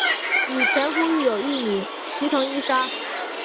与前夫育有一女齐藤依纱。